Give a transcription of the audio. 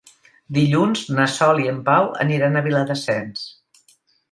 Dilluns na Sol i en Pau aniran a Viladasens.